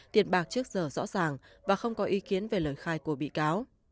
tiền bạc trước giờ rõ ràng và không có ý kiến về lời khai của bị cáo